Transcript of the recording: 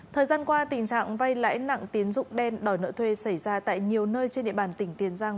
thời gian qua tình trạng vay lãi nặng tiến dụng đen đòi nợ thuê xảy ra tại nhiều nơi trên địa bàn tỉnh tiền giang